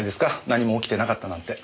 何も起きてなかったなんて。